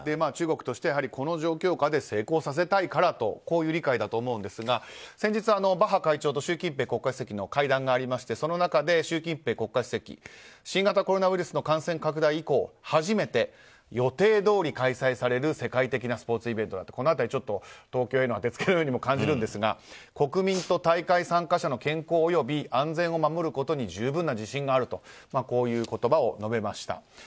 中国としては、この状況下で成功させたいからという理解だと思うんですが、先日バッハ会長と習近平国家主席との会談がありましてその中で習近平国家主席新型コロナウイルスの感染拡大以降初めて、予定どおり開催される世界的なスポーツイベントだとこの辺り、ちょっと東京への当てつけのようにも感じるんですが国民と大会参加者の健康および安全を守ることに十分な自信があるとこういう言葉を述べました。